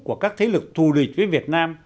của các thế lực thù địch với việt nam